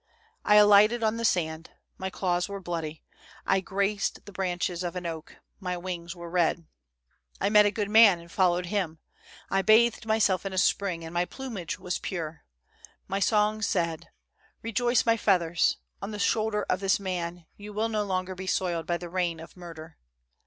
I alighted on the sand — my claws were bloody; I grazed the branches of an oak — my wings were red. "'I met a good man and followed him. I bathed myself in a spring, and my plumage was pure. My song said: Eejoice, my feathers: on the shoulder of this man, you will no longer be soiled by the rain of murder.